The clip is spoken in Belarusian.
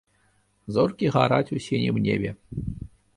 Зоркі гараць у сінім небе.